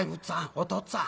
「お父っつぁん」。